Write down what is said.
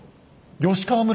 吉川村？